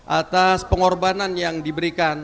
atas pengorbanan yang diberikan